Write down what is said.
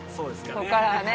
ここからはね。